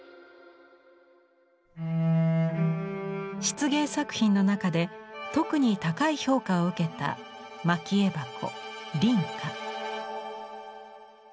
漆芸作品の中で特に高い評価を受けた蒔絵箱「凛花」。